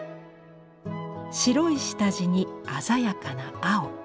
白い下地に鮮やかな青。